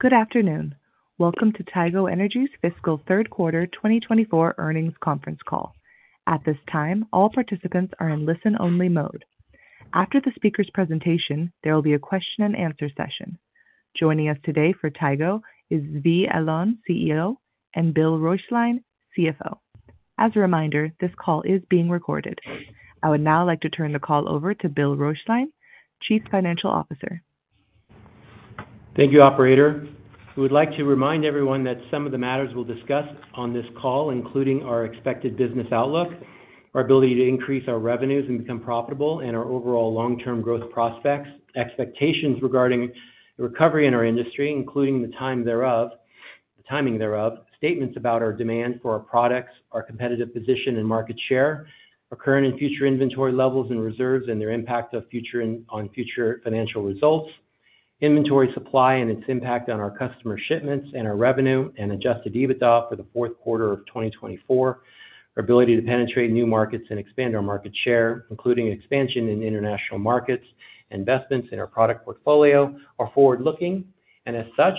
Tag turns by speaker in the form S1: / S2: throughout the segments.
S1: Good afternoon. Welcome to Tigo Energy's fiscal Q3 2024 earnings conference call. At this time, all participants are in listen-only mode. After the speaker's presentation, there will be a question-and-answer session. Joining us today for Tigo is Zvi Alon, CEO, and Bill Roeschlein, CFO. As a reminder, this call is being recorded. I would now like to turn the call over to Bill Roeschlein, Chief Financial Officer.
S2: Thank you, Operator. We would like to remind everyone that some of the matters we'll discuss on this call, including our expected business outlook, our ability to increase our revenues and become profitable, and our overall long-term growth prospects, expectations regarding the recovery in our industry, including the timing thereof, statements about our demand for our products, our competitive position and market share, our current and future inventory levels and reserves, and their impact on future financial results, inventory supply and its impact on our customer shipments and our revenue and Adjusted EBITDA for the Q4 of 2024, our ability to penetrate new markets and expand our market share, including expansion in international markets, investments in our product portfolio, our forward-looking statements, and as such,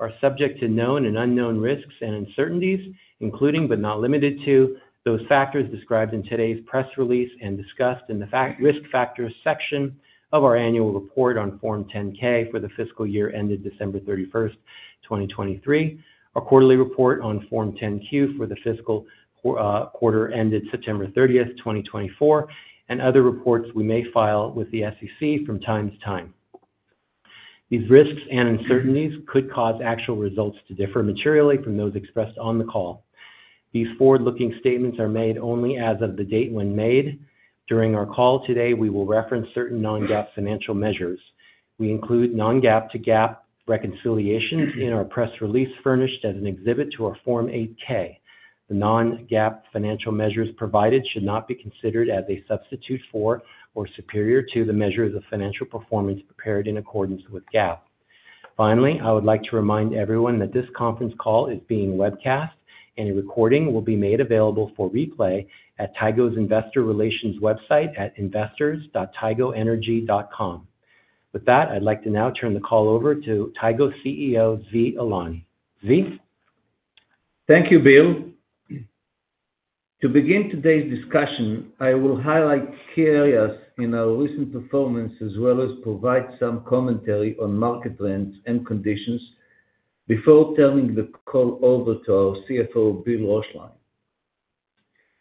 S2: are subject to known and unknown risks and uncertainties, including but not limited to those factors described in today's press release and discussed in the risk factors section of our annual report on Form 10-K for the fiscal year ended December 31st, 2023, our quarterly report on Form 10-Q for the fiscal quarter ended September 30th, 2024, and other reports we may file with the SEC from time to time. These risks and uncertainties could cause actual results to differ materially from those expressed on the call. These forward-looking statements are made only as of the date when made. During our call today, we will reference certain non-GAAP financial measures. We include non-GAAP to GAAP reconciliations in our press release furnished as an exhibit to our Form 8-K. The non-GAAP financial measures provided should not be considered as a substitute for or superior to the measures of financial performance prepared in accordance with GAAP. Finally, I would like to remind everyone that this conference call is being webcast, and a recording will be made available for replay at Tigo's Investor Relations website at investors.tigoenergy.com. With that, I'd like to now turn the call over to Tigo CEO Zvi Alon. Zvi?
S3: Thank you, Bill. To begin today's discussion, I will highlight key results in our recent performance as well as provide some commentary on market trends and conditions before turning the call over to our CFO, Bill Roeschlein.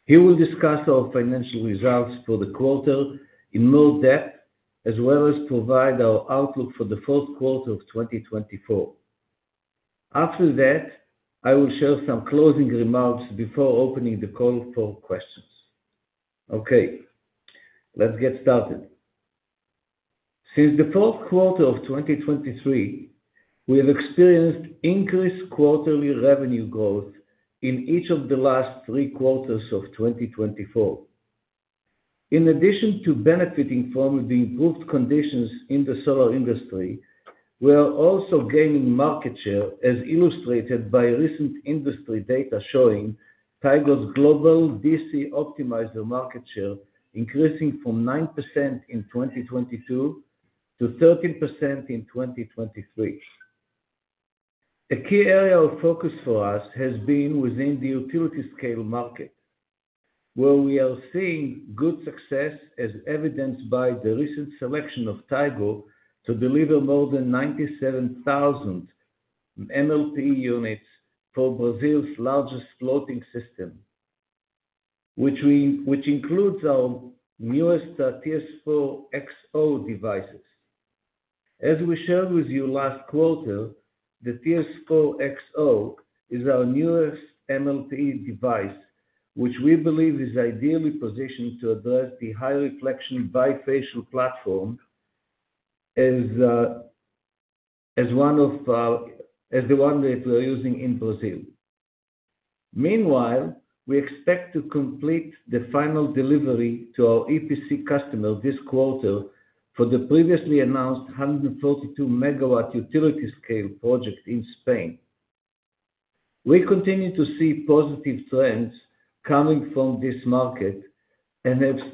S3: He will discuss our financial results for the quarter in more depth as well as provide our outlook for the Q4 of 2024. After that, I will share some closing remarks before opening the call for questions. Okay, let's get started. Since the Q4 of 2023, we have experienced increased quarterly revenue growth in each of the last three quarters of 2024. In addition to benefiting from the improved conditions in the solar industry, we are also gaining market share as illustrated by recent industry data showing Tigo's global DC optimizer market share increasing from 9% in 2022 to 13% in 2023. A key area of focus for us has been within the utility-scale market, where we are seeing good success as evidenced by the recent selection of Tigo to deliver more than 97,000 MLPE units for Brazil's largest floating system, which includes our newest TS4-X-O devices. As we shared with you last quarter, the TS4-X-O is our newest MLPE device, which we believe is ideally positioned to address the high-reflection bifacial platform as one of the ones that we are using in Brazil. Meanwhile, we expect to complete the final delivery to our EPC customer this quarter for the previously announced 142 megawatt utility-scale project in Spain. We continue to see positive trends coming from this market and have a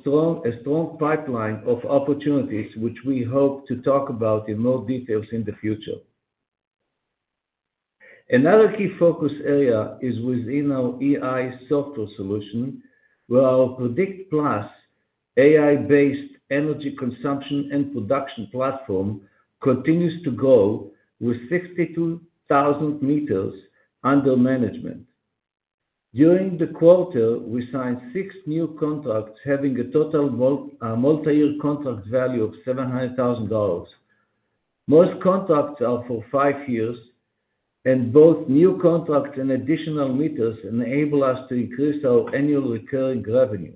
S3: strong pipeline of opportunities, which we hope to talk about in more details in the future. Another key focus area is within our EI software solution, where our PredictPlus AI-based energy consumption and production platform continues to grow with 62,000 meters under management. During the quarter, we signed six new contracts having a total multi-year contract value of $700,000. Most contracts are for five years, and both new contracts and additional meters enable us to increase our annual recurring revenue,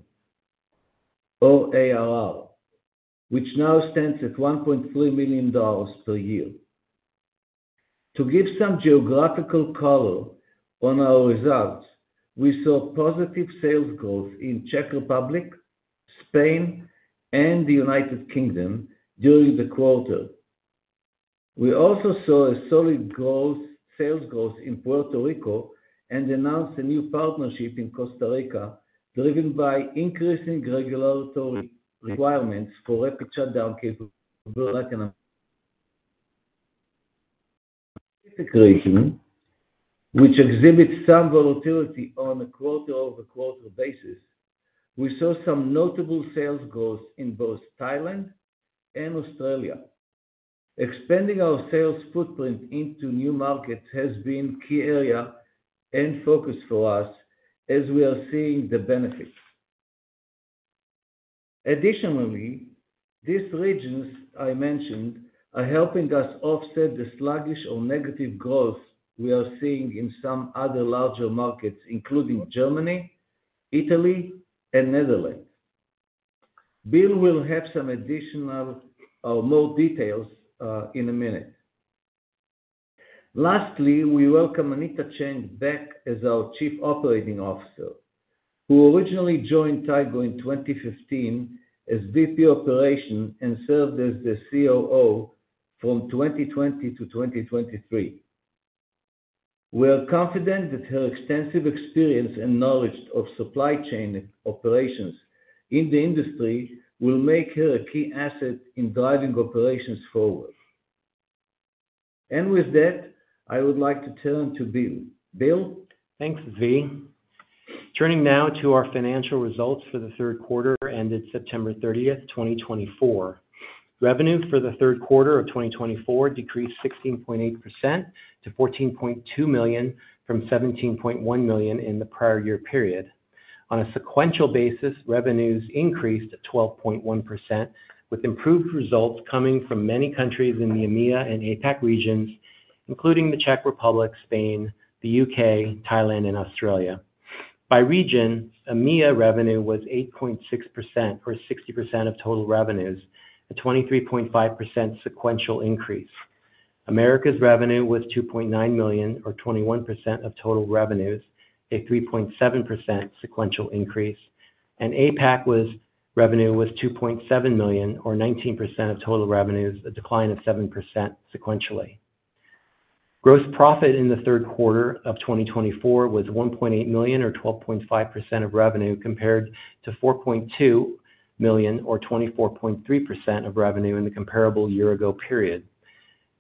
S3: or ARR, which now stands at $1.3 million per year. To give some geographical color on our results, we saw positive sales growth in the Czech Republic, Spain, and the United Kingdom during the quarter. We also saw solid sales growth in Puerto Rico and announced a new partnership in Costa Rica driven by increasing regulatory requirements for rapid shutdown capability. Which exhibits some volatility on a quarter-over-quarter basis, we saw some notable sales growth in both Thailand and Australia. Expanding our sales footprint into new markets has been a key area and focus for us as we are seeing the benefits. Additionally, these regions I mentioned are helping us offset the sluggish or negative growth we are seeing in some other larger markets, including Germany, Italy, and the Netherlands. Bill will have some additional or more details in a minute. Lastly, we welcome Anita Chang back as our Chief Operating Officer, who originally joined Tigo in 2015 as VP Operations and served as the COO from 2020 to 2023. We are confident that her extensive experience and knowledge of supply chain operations in the industry will make her a key asset in driving operations forward. And with that, I would like to turn to Bill. Bill?
S2: Thanks, Zvi. Turning now to our financial results for the Q3 ended September 30th, 2024. Revenue for the Q3 of 2024 decreased 16.8% to $14.2 million from $17.1 million in the prior year period. On a sequential basis, revenues increased 12.1%, with improved results coming from many countries in the EMEA and APAC regions, including the Czech Republic, Spain, the U.K., Thailand, and Australia. By region, EMEA revenue was $8.6 million, or 60% of total revenues, a 23.5% sequential increase. Americas revenue was $2.9 million, or 21% of total revenues, a 3.7% sequential increase. And APAC revenue was $2.7 million, or 19% of total revenues, a decline of 7% sequentially. Gross profit in the Q3 of 2024 was $1.8 million, or 12.5% of revenue, compared to $4.2 million, or 24.3% of revenue in the comparable year-ago period.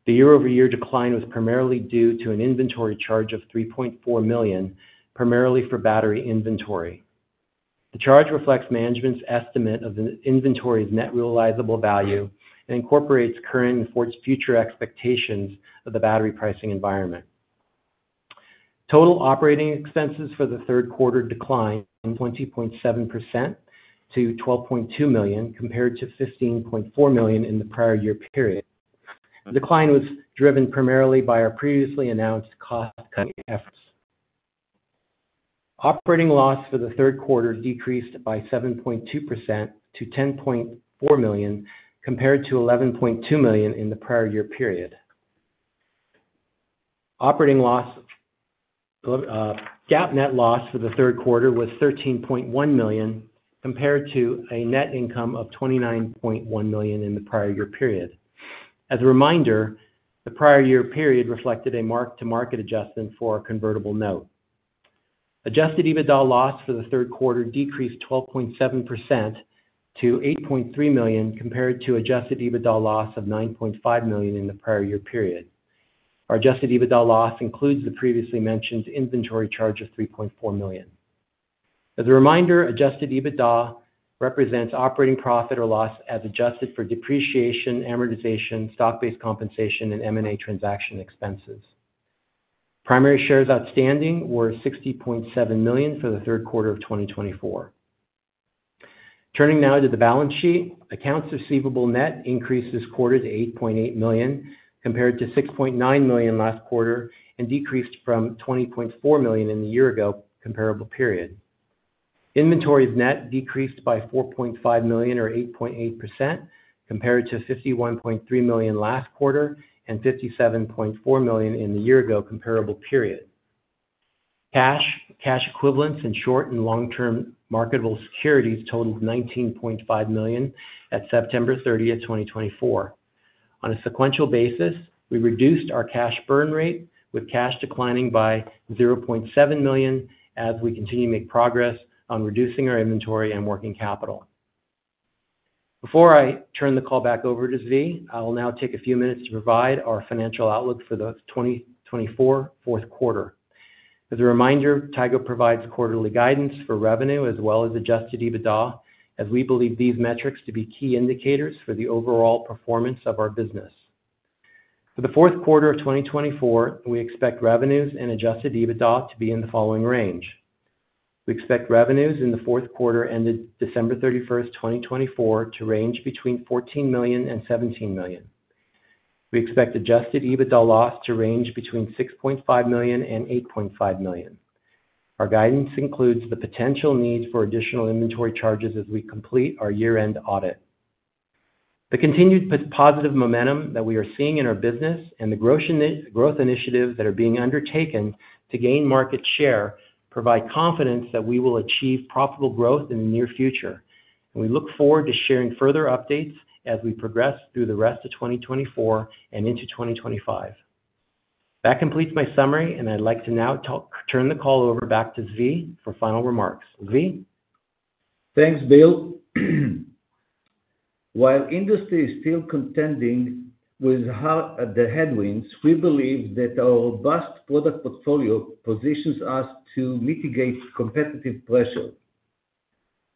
S2: The year-over-year decline was primarily due to an inventory charge of $3.4 million, primarily for battery inventory. The charge reflects management's estimate of the inventory's net realizable value and incorporates current and future expectations of the battery pricing environment. Total operating expenses for the Q3 declined 20.7% to $12.2 million, compared to $15.4 million in the prior year period. The decline was driven primarily by our previously announced cost-cutting efforts. Operating loss for the Q3 decreased by 7.2% to $10.4 million, compared to $11.2 million in the prior year period. GAAP net loss for the Q3 was $13.1 million, compared to a net income of $29.1 million in the prior year period. As a reminder, the prior year period reflected a mark-to-market adjustment for our convertible note. Adjusted EBITDA loss for the Q3 decreased 12.7% to $8.3 million, compared to adjusted EBITDA loss of $9.5 million in the prior year period. Our adjusted EBITDA loss includes the previously mentioned inventory charge of $3.4 million. As a reminder, adjusted EBITDA represents operating profit or loss as adjusted for depreciation, amortization, stock-based compensation, and M&A transaction expenses. Primary shares outstanding were 60.7 million for the Q3 of 2024. Turning now to the balance sheet, accounts receivable, net increased this quarter to $8.8 million, compared to $6.9 million last quarter, and decreased from $20.4 million in the year-ago comparable period. Inventory, net decreased by $4.5 million, or 8.8%, compared to $51.3 million last quarter and $57.4 million in the year-ago comparable period. Cash, cash equivalents, and short- and long-term marketable securities totaled $19.5 million at September 30th, 2024. On a sequential basis, we reduced our cash burn rate, with cash declining by $0.7 million as we continue to make progress on reducing our inventory and working capital. Before I turn the call back over to Zvi, I will now take a few minutes to provide our financial outlook for the 2024 Q4. As a reminder, Tigo provides quarterly guidance for revenue as well as Adjusted EBITDA, as we believe these metrics to be key indicators for the overall performance of our business. For the Q4 of 2024, we expect revenues and Adjusted EBITDA to be in the following range. We expect revenues in the Q4 ended December 31st, 2024, to range between $14 million and $17 million. We expect Adjusted EBITDA loss to range between $6.5 million and $8.5 million. Our guidance includes the potential need for additional inventory charges as we complete our year-end audit. The continued positive momentum that we are seeing in our business and the growth initiatives that are being undertaken to gain market share provide confidence that we will achieve profitable growth in the near future, and we look forward to sharing further updates as we progress through the rest of 2024 and into 2025. That completes my summary, and I'd like to now turn the call over back to Zvi for final remarks. Zvi?
S3: Thanks, Bill. While industry is still contending with the headwinds, we believe that our robust product portfolio positions us to mitigate competitive pressure.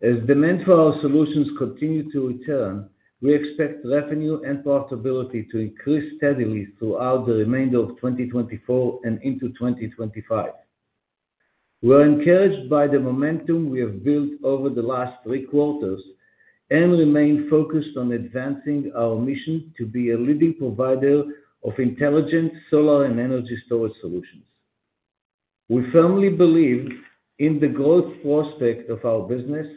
S3: As demand for our solutions continues to return, we expect revenue and profitability to increase steadily throughout the remainder of 2024 and into 2025. We are encouraged by the momentum we have built over the last three quarters and remain focused on advancing our mission to be a leading provider of intelligent solar and energy storage solutions. We firmly believe in the growth prospect of our business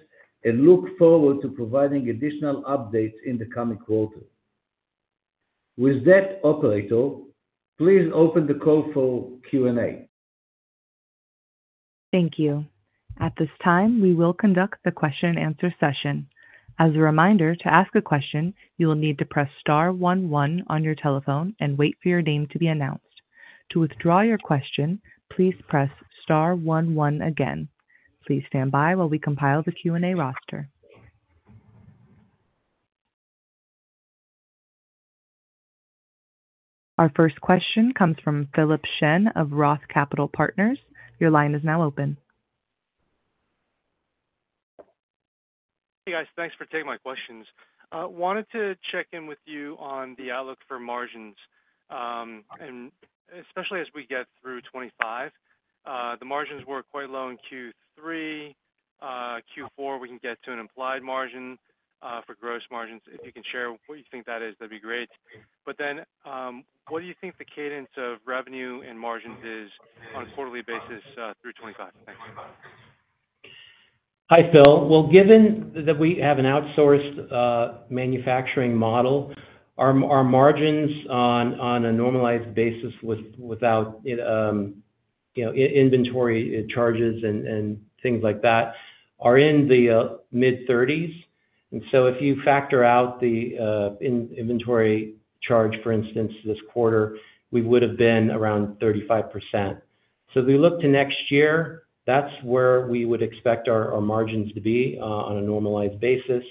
S3: and look forward to providing additional updates in the coming quarter. With that, operator, please open the call for Q&A.
S1: Thank you. At this time, we will conduct the question-and-answer session. As a reminder, to ask a question, you will need to press star one one on your telephone and wait for your name to be announced. To withdraw your question, please press star one one again. Please stand by while we compile the Q&A roster. Our first question comes from Philip Shen of Roth Capital Partners. Your line is now open.
S4: Hey, guys. Thanks for taking my questions. Wanted to check in with you on the outlook for margins, especially as we get through 2025. The margins were quite low in Q3. Q4, we can get to an implied margin for gross margins. If you can share what you think that is, that'd be great. But then what do you think the cadence of revenue and margins is on a quarterly basis through 2025? Thanks.
S2: Hi, Phil. Well, given that we have an outsourced manufacturing model, our margins on a normalized basis without inventory charges and things like that are in the mid-30s. And so if you factor out the inventory charge, for instance, this quarter, we would have been around 35%. So if we look to next year, that's where we would expect our margins to be on a normalized basis.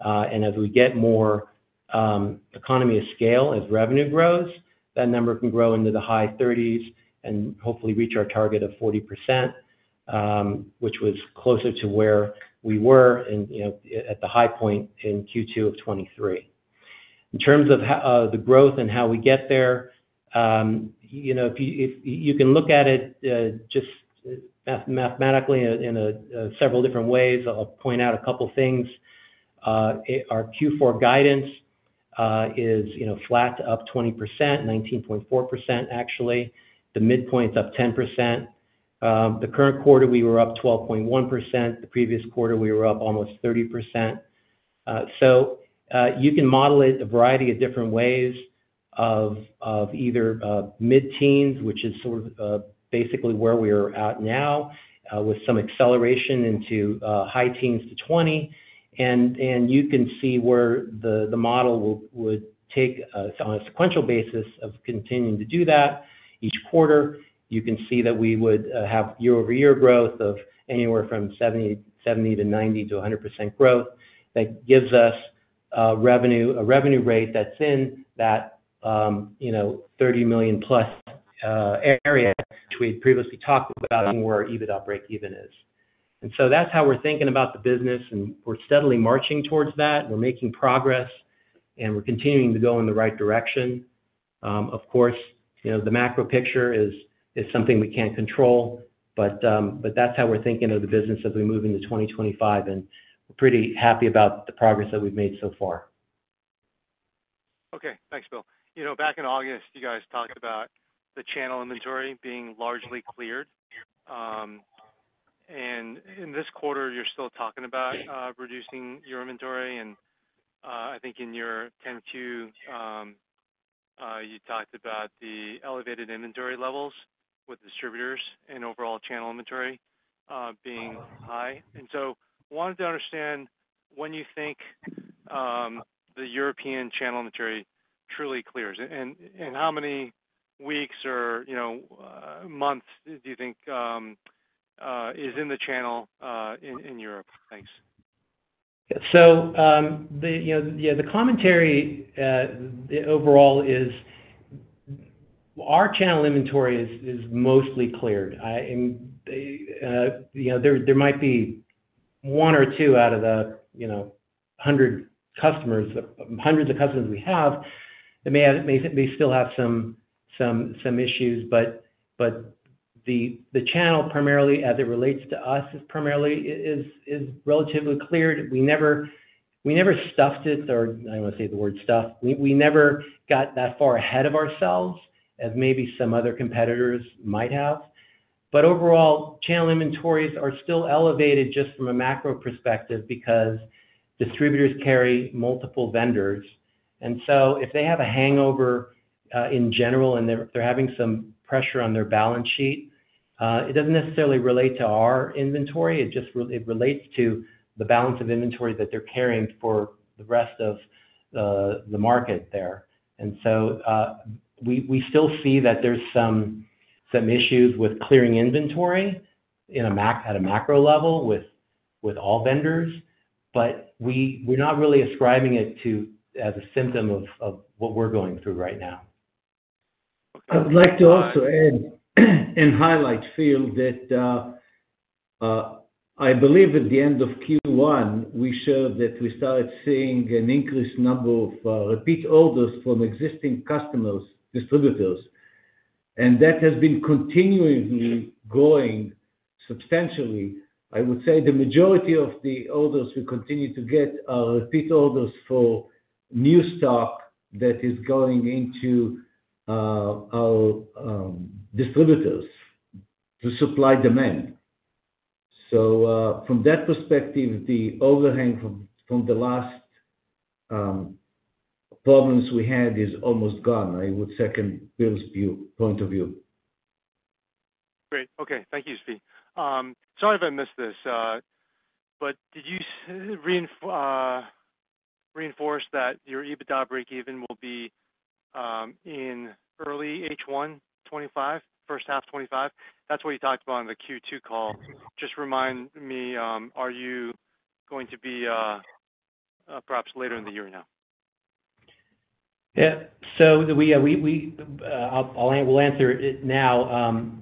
S2: And as we get more economy of scale, as revenue grows, that number can grow into the high 30s and hopefully reach our target of 40%, which was closer to where we were at the high point in Q2 of 2023. In terms of the growth and how we get there, you can look at it just mathematically in several different ways. I'll point out a couple of things. Our Q4 guidance is flat up 20%, 19.4%, actually. The midpoint's up 10%. The current quarter, we were up 12.1%. The previous quarter, we were up almost 30%. So you can model it a variety of different ways of either mid-teens, which is sort of basically where we are at now, with some acceleration into high teens to 20%. And you can see where the model would take on a sequential basis of continuing to do that each quarter. You can see that we would have year-over-year growth of anywhere from 70% to 90% to 100% growth that gives us a revenue rate that's in that $30 million-plus area which we had previously talked about and where EBITDA break-even is. And so that's how we're thinking about the business, and we're steadily marching towards that. We're making progress, and we're continuing to go in the right direction. Of course, the macro picture is something we can't control, but that's how we're thinking of the business as we move into 2025. And we're pretty happy about the progress that we've made so far.
S4: Okay. Thanks, Bill. Back in August, you guys talked about the channel inventory being largely cleared. And in this quarter, you're still talking about reducing your inventory. And I think in your 10-Q, you talked about the elevated inventory levels with distributors and overall channel inventory being high. And so I wanted to understand when you think the European channel inventory truly clears. And how many weeks or months do you think is in the channel in Europe? Thanks.
S2: So yeah, the commentary overall is our channel inventory is mostly cleared. There might be one or two out of the hundred customers, hundreds of customers we have. They may still have some issues, but the channel, primarily as it relates to us, is primarily relatively cleared. We never stuffed it, or I don't want to say the word stuffed. We never got that far ahead of ourselves as maybe some other competitors might have. But overall, channel inventories are still elevated just from a macro perspective because distributors carry multiple vendors. And so if they have a hangover in general and they're having some pressure on their balance sheet, it doesn't necessarily relate to our inventory. It relates to the balance of inventory that they're carrying for the rest of the market there. And so we still see that there's some issues with clearing inventory at a macro level with all vendors, but we're not really ascribing it as a symptom of what we're going through right now.
S3: I would like to also add and highlight, Phil, that I believe at the end of Q1, we showed that we started seeing an increased number of repeat orders from existing customers, distributors, and that has been continuously growing substantially. I would say the majority of the orders we continue to get are repeat orders for new stock that is going into our distributors to supply demand, so from that perspective, the overhang from the last problems we had is almost gone. I would second Bill's point of view.
S4: Great. Okay. Thank you, Zvi. Sorry if I missed this, but did you reinforce that your EBITDA break-even will be in early H1 2025, first half 2025? That's what you talked about on the Q2 call. Just remind me, are you going to be perhaps later in the year now?
S2: Yeah. So yeah, I'll answer it now.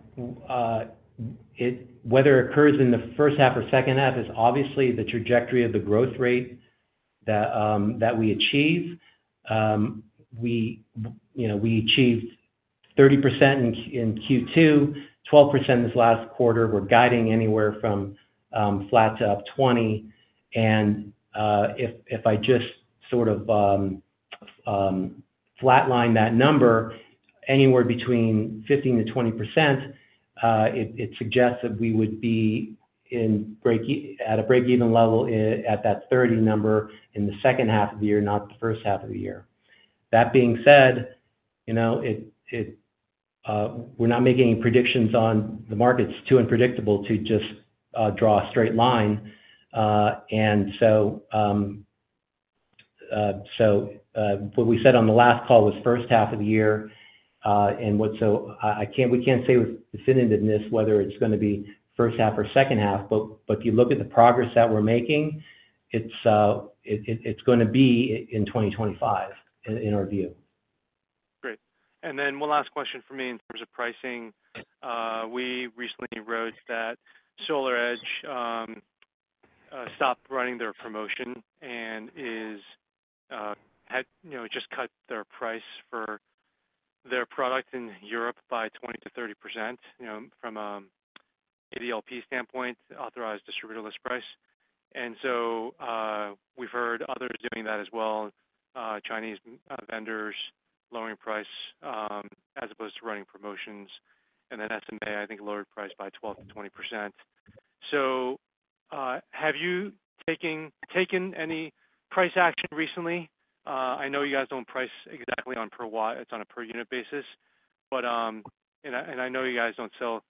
S2: Whether it occurs in the first half or second half is obviously the trajectory of the growth rate that we achieve. We achieved 30% in Q2, 12% this last quarter. We're guiding anywhere from flat to up 20%. And if I just sort of flatline that number, anywhere between 15%-20%, it suggests that we would be at a break-even level at that 30% number in the second half of the year, not the first half of the year. That being said, we're not making any predictions on the market. It's too unpredictable to just draw a straight line. And so what we said on the last call was first half of the year. And so we can't say with definitiveness whether it's going to be first half or second half, but if you look at the progress that we're making, it's going to be in 2025 in our view.
S4: Great. And then one last question for me in terms of pricing. We recently wrote that SolarEdge stopped running their promotion and just cut their price for their product in Europe by 20%-30% from an ADLP standpoint, authorized distributor list price. And so we've heard others doing that as well, Chinese vendors lowering price as opposed to running promotions. And then SMA, I think, lowered price by 12%-20%. So have you taken any price action recently? I know you guys don't price exactly on per watt; it's on a per unit basis. And I know you guys don't sell.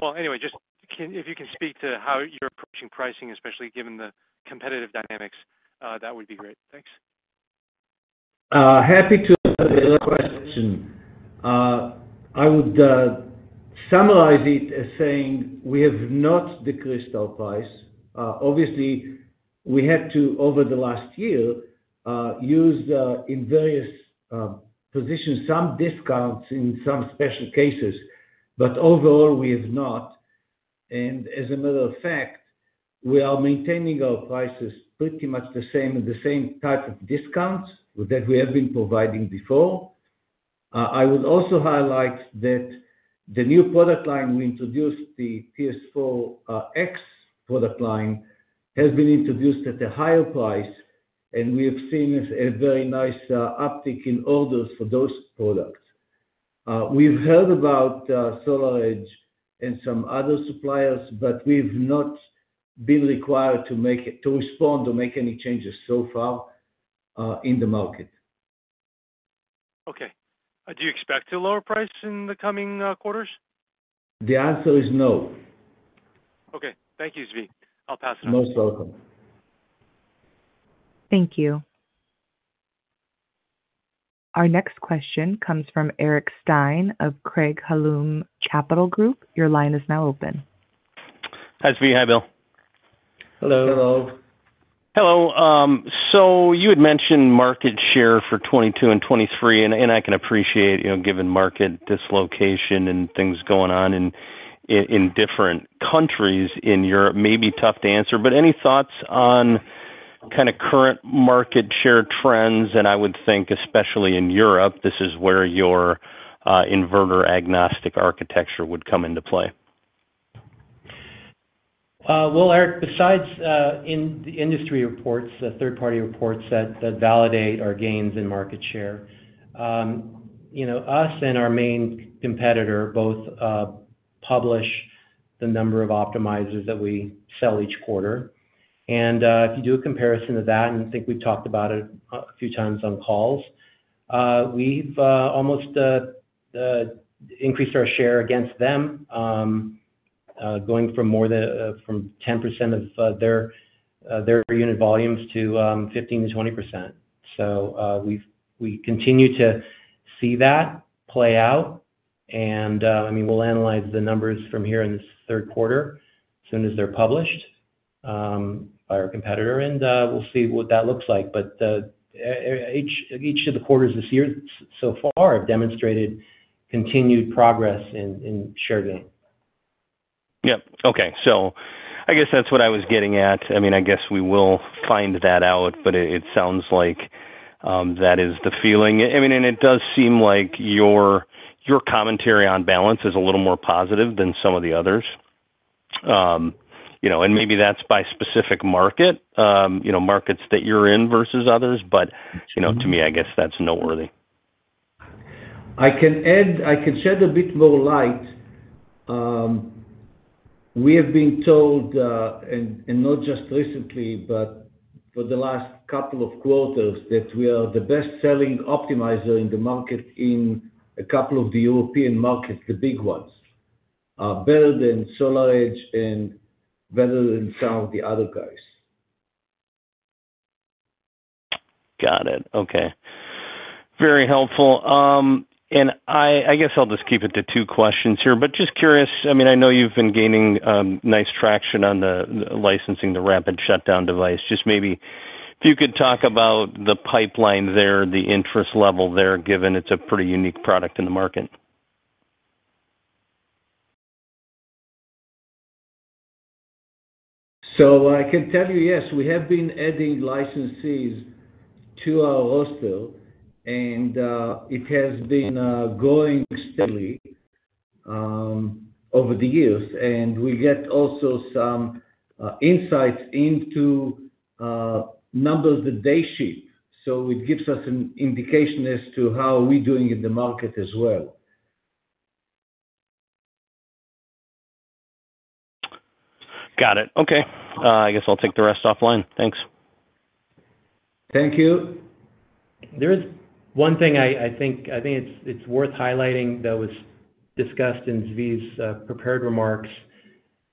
S4: Well, anyway, just if you can speak to how you're approaching pricing, especially given the competitive dynamics, that would be great. Thanks.
S3: Happy to answer the question. I would summarize it as saying we have not decreased our price. Obviously, we had to, over the last year, use in various positions some discounts in some special cases, but overall, we have not, and as a matter of fact, we are maintaining our prices pretty much the same and the same type of discounts that we have been providing before. I would also highlight that the new product line we introduced, the TS4-X product line, has been introduced at a higher price, and we have seen a very nice uptick in orders for those products. We've heard about SolarEdge and some other suppliers, but we've not been required to respond or make any changes so far in the market.
S4: Okay. Do you expect a lower price in the coming quarters?
S3: The answer is no.
S4: Okay. Thank you, Zvi. I'll pass it off.
S3: Most welcome.
S1: Thank you. Our next question comes from Eric Stine of Craig-Hallum Capital Group. Your line is now open.
S5: Hi, Zvi. Hi, Bill.
S2: Hello.
S3: Hello.
S5: Hello. So you had mentioned market share for 2022 and 2023, and I can appreciate, given market dislocation and things going on in different countries in Europe, may be tough to answer. But any thoughts on kind of current market share trends? And I would think, especially in Europe, this is where your inverter agnostic architecture would come into play.
S2: Eric, besides in the industry reports, the third-party reports that validate our gains in market share, us and our main competitor both publish the number of optimizers that we sell each quarter. If you do a comparison of that, and I think we've talked about it a few times on calls, we've almost increased our share against them, going from 10% of their unit volumes to 15%-20%. We continue to see that play out. I mean, we'll analyze the numbers from here in this Q3 as soon as they're published by our competitor, and we'll see what that looks like. Each of the quarters this year so far have demonstrated continued progress in share gain.
S5: Yep. Okay, so I guess that's what I was getting at. I mean, I guess we will find that out, but it sounds like that is the feeling. I mean, and it does seem like your commentary on balance is a little more positive than some of the others, and maybe that's by specific market, markets that you're in versus others, but to me, I guess that's noteworthy.
S3: I can shed a bit more light. We have been told, and not just recently, but for the last couple of quarters, that we are the best-selling optimizer in the market in a couple of the European markets, the big ones, better than SolarEdge and better than some of the other guys.
S5: Got it. Okay. Very helpful, and I guess I'll just keep it to two questions here, but just curious. I mean, I know you've been gaining nice traction on the licensing, the rapid shutdown device. Just maybe if you could talk about the pipeline there, the interest level there, given it's a pretty unique product in the market?
S3: So I can tell you, yes, we have been adding licensees to our portfolio, and it has been going steadily over the years. And we get also some insights into numbers that they ship. So it gives us an indication as to how we're doing in the market as well.
S5: Got it. Okay. I guess I'll take the rest offline. Thanks.
S3: Thank you.
S2: There is one thing I think it's worth highlighting that was discussed in Zvi's prepared remarks,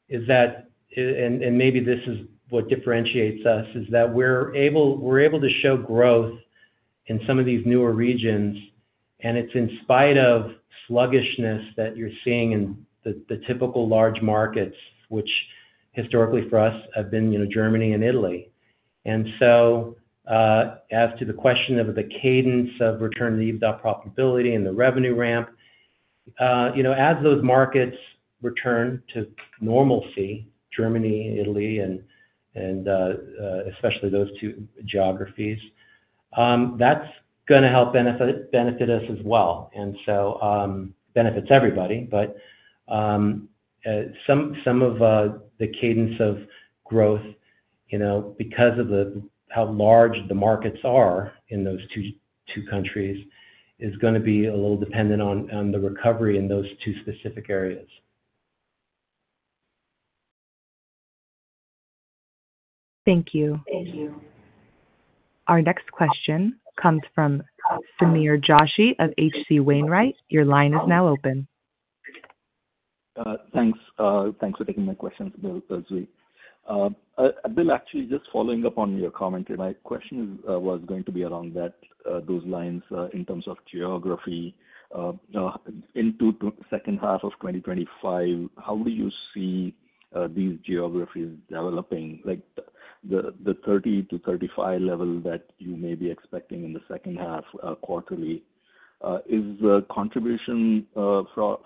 S2: and maybe this is what differentiates us, is that we're able to show growth in some of these newer regions. And it's in spite of sluggishness that you're seeing in the typical large markets, which historically for us have been Germany and Italy. And so as to the question of the cadence of return to EBITDA profitability and the revenue ramp, as those markets return to normalcy, Germany, Italy, and especially those two geographies, that's going to help benefit us as well. And so it benefits everybody. But some of the cadence of growth, because of how large the markets are in those two countries, is going to be a little dependent on the recovery in those two specific areas.
S1: Thank you.
S2: Thank you.
S1: Our next question comes from Samir Joshi of H.C. Wainwright. Your line is now open.
S6: Thanks. Thanks for taking my question, Bill, Zvi. Bill, actually, just following up on your commentary, my question was going to be around those lines in terms of geography. Into the second half of 2025, how do you see these geographies developing? The 30-35 level that you may be expecting in the second half quarterly, is the contribution for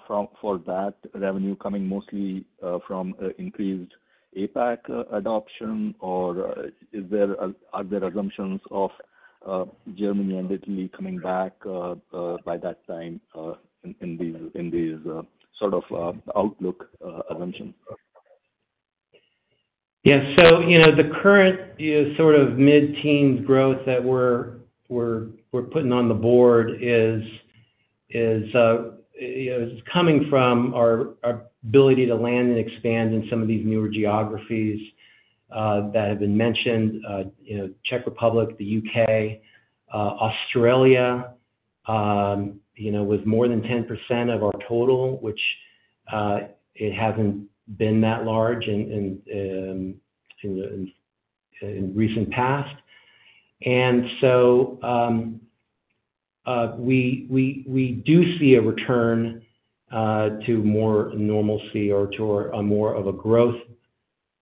S6: that revenue coming mostly from increased APAC adoption, or are there assumptions of Germany and Italy coming back by that time in these sort of outlook assumptions?
S2: Yeah, so the current sort of mid-teens growth that we're putting on the board is coming from our ability to land and expand in some of these newer geographies that have been mentioned: Czech Republic, the UK, Australia, with more than 10% of our total, which it hasn't been that large in the recent past, and so we do see a return to more normalcy or to more of a growth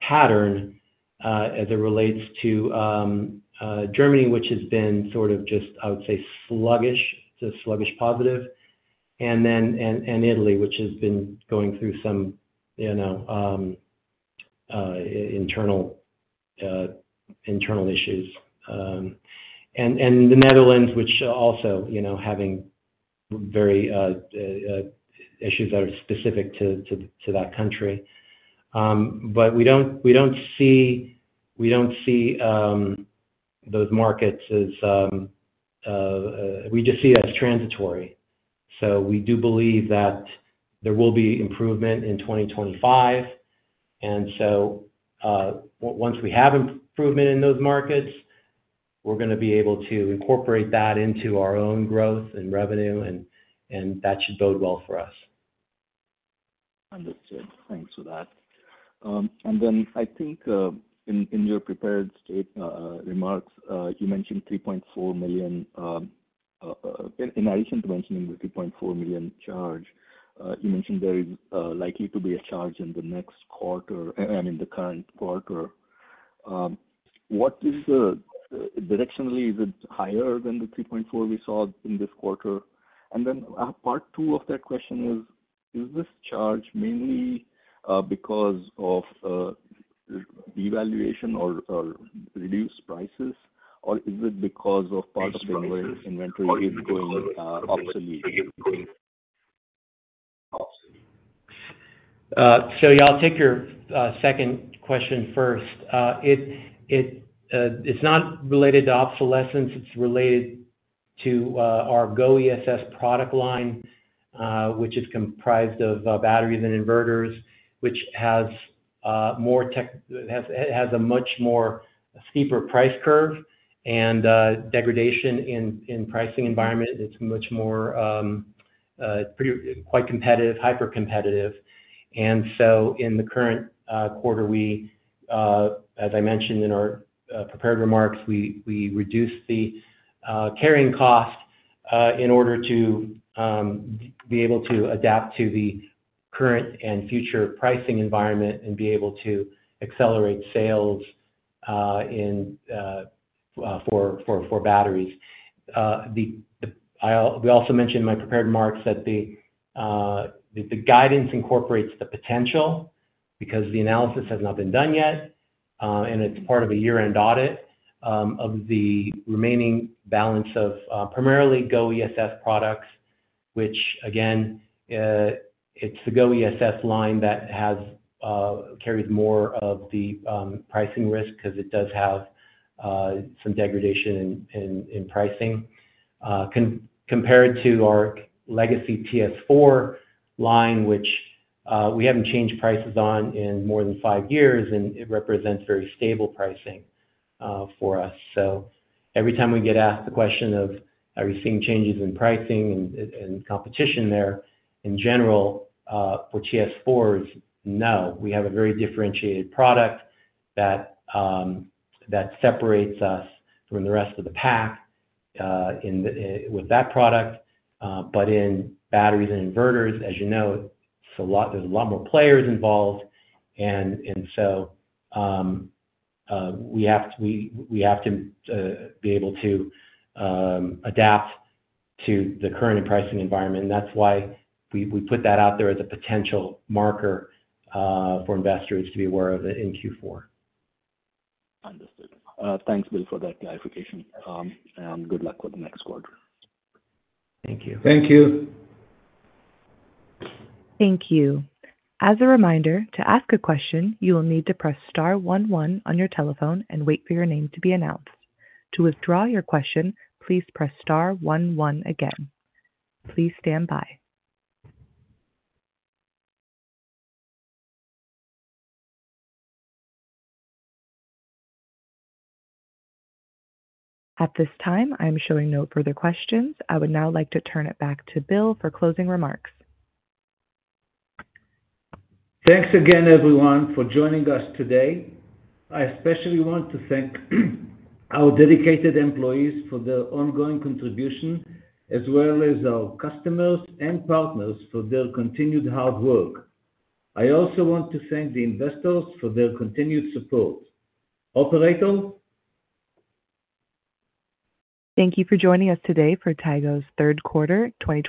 S2: pattern as it relates to Germany, which has been sort of just, I would say, sluggish, the sluggish positive, and Italy, which has been going through some internal issues, and the Netherlands, which also having very issues that are specific to that country. But we don't see those markets as we just see it as transitory, so we do believe that there will be improvement in 2025. Once we have improvement in those markets, we're going to be able to incorporate that into our own growth and revenue, and that should bode well for us.
S6: Understood. Thanks for that. And then I think in your prepared remarks, you mentioned $3.4 million. In addition to mentioning the $3.4 million charge, you mentioned there is likely to be a charge in the next quarter, I mean, the current quarter. What is the directionally? Is it higher than the $3.4 we saw in this quarter? And then part two of that question is, is this charge mainly because of devaluation or reduced prices, or is it because of part of the inventory is going obsolete?
S2: So yeah, I'll take your second question first. It's not related to obsolescence. It's related to GO ESS product line, which is comprised of batteries and inverters, which has a much more steeper price curve and degradation in pricing environment. It's much more quite competitive, hyper-competitive. And so in the current quarter, as I mentioned in our prepared remarks, we reduced the carrying cost in order to be able to adapt to the current and future pricing environment and be able to accelerate sales for batteries. We also mentioned in my prepared remarks that the guidance incorporates the potential because the analysis has not been done yet, and it's part of a year-end audit of the remaining balance of GO ESS products, which, again, it's GO ESS line that carries more of the pricing risk because it does have some degradation in pricing compared to our legacy TS4 line, which we haven't changed prices on in more than five years, and it represents very stable pricing for us. So every time we get asked the question of, "Are you seeing changes in pricing and competition there?" in general, for TS4s, no. We have a very differentiated product that separates us from the rest of the pack with that product. But in batteries and inverters, as you know, there's a lot more players involved. And so we have to be able to adapt to the current pricing environment. And that's why we put that out there as a potential marker for investors to be aware of in Q4.
S6: Understood. Thanks, Bill, for that clarification and good luck for the next quarter.
S2: Thank you.
S3: Thank you.
S1: Thank you. As a reminder, to ask a question, you will need to press star one one on your telephone and wait for your name to be announced. To withdraw your question, please press star one one again. Please stand by. At this time, I am showing no further questions. I would now like to turn it back to Bill for closing remarks.
S3: Thanks again, everyone, for joining us today. I especially want to thank our dedicated employees for their ongoing contribution, as well as our customers and partners for their continued hard work. I also want to thank the investors for their continued support. Operator?
S1: Thank you for joining us today for Tigo's Q3.